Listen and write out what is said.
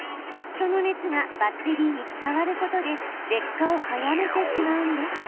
その熱がバッテリーに伝わることで劣化を早めてしまうんです。